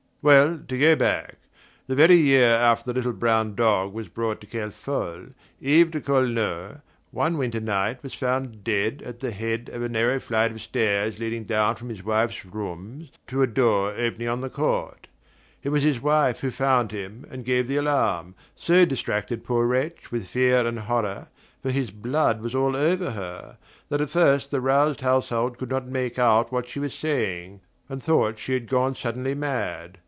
Well, to go back. The very year after the little brown dog was brought to Kerfol, Yves de Cornault, one winter night, was found dead at the head of a narrow flight of stairs leading down from his wife's rooms to a door opening on the court. It was his wife who found him and gave the alarm, so distracted, poor wretch, with fear and horror for his blood was all over her that at first the roused household could not make out what she was saying, and thought she had gone suddenly mad.